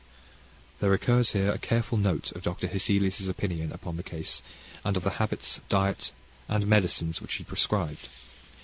(There occurs here a careful note of Dr. Hesselius' opinion upon the case, and of the habits, dietary, and medicines which he prescribed.